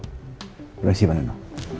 terima kasih pak nino